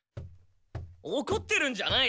おこってるんじゃない。